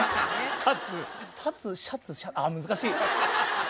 サツシャツあ難しい！